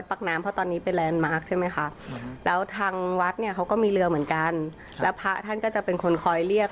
เดินเข้าไปปุ๊บท่านก็ด่าเลย